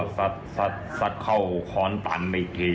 แล้วสัสเข้าขอนตันไปอีกที